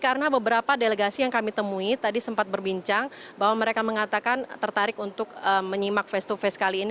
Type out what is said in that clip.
karena beberapa delegasi yang kami temui tadi sempat berbincang bahwa mereka mengatakan tertarik untuk menyimak face to face kali ini